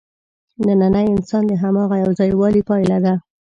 نننی انسان د هماغه یوځایوالي پایله ده.